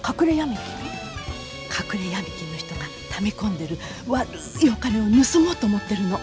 隠れヤミ金の人がため込んでる悪いお金を盗もうと思ってるの。